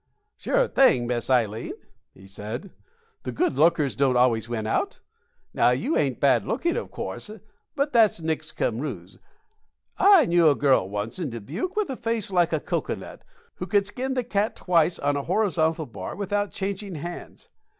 "Sure thing, Miss Ileen," he said; "the good lookers don't always win out. Now, you ain't bad looking, of course but that's nix cum rous. I knew a girl once in Dubuque with a face like a cocoanut, who could skin the cat twice on a horizontal bar without changing hands.